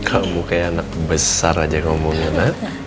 kamu kayak anak besar aja ngomongnya nak